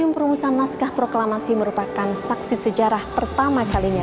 perumusan naskah proklamasi merupakan saksi sejarah pertama kalinya